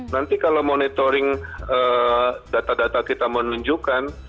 nanti kalau monitoring data data kita menunjukkan